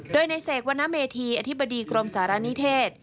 โดยในเสกวรรณเมธีอธิบดีกรมสารณิเทศ